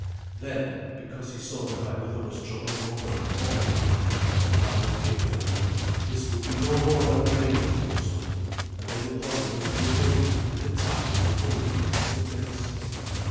Then, because he saw that my mother was troubled more than her wont, he added, "Have no fear for me. This will be no more than a raid of Norsemen, and they will plunder and be away with the tide before we get to the place."